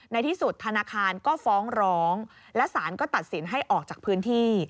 ในที่สุดธนาคารก็ฟ้องร้องและสารก็ตัดสินให้ออกจากพื้นที่